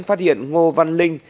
phát hiện ngô văn linh